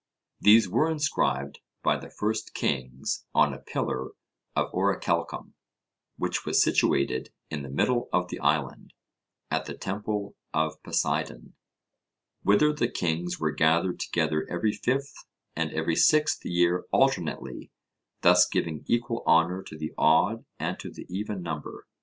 These were inscribed by the first kings on a pillar of orichalcum, which was situated in the middle of the island, at the temple of Poseidon, whither the kings were gathered together every fifth and every sixth year alternately, thus giving equal honour to the odd and to the even number.